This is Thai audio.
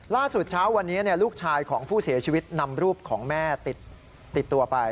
เช้าวันนี้ลูกชายของผู้เสียชีวิตนำรูปของแม่ติดตัวไป